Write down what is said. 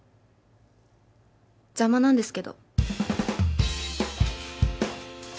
邪魔なんですけど。